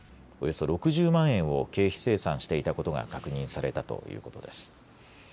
およそ６０万円を経費精算していたことが確認されたということです。